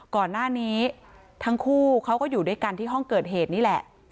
ก่อนหน้านี้ทั้งคู่เขาก็อยู่ด้วยกันที่ห้องเกิดเหตุนี่แหละ